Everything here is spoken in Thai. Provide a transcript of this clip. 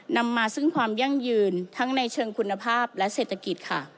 นำมาซึ่งความยั่งยืนทั้งในเชิงคุณภาพและเศรษฐกิจค่ะ